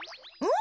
ん？